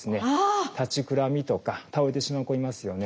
立ちくらみとか倒れてしまう子いますよね。